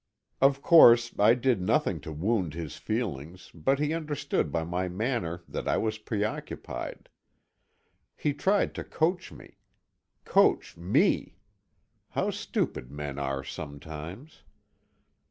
Of course, I did nothing to wound his feelings but he understood by my manner that I was preoccupied. He tried to coach me. Coach me! How stupid men are sometimes!